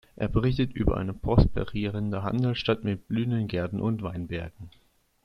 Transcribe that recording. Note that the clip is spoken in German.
Er berichtet über eine prosperierende Handelsstadt mit blühenden Gärten und Weinbergen.